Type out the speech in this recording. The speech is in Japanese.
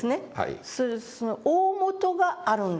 それで「その大本があるんだ」と。